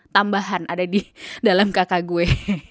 tambahan ada di dalam kakak gue